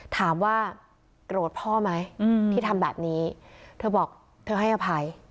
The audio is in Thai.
ถามว่าโกรธพ่อไหมที่ทำแบบนี้เธอบอกเธอให้อภัย